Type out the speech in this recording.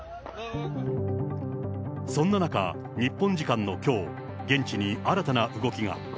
そんな中、日本時間のきょう、現地に新たな動きが。